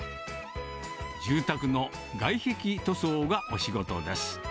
住宅の外壁塗装がお仕事です。